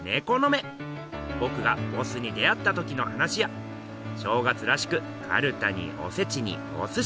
ぼくがボスに出会ったときの話や正月らしくかるたにおせちにおすし！